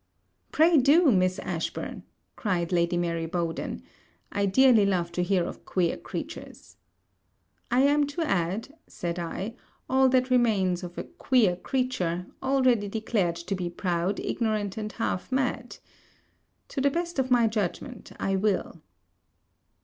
'Pray do, Miss Ashburn,' cried Lady Mary Bowden. 'I dearly love to hear of queer creatures.' 'I am to add,' said I, 'all that remains of a queer creature, already declared to be proud, ignorant, and half mad. To the best of my judgment, I will.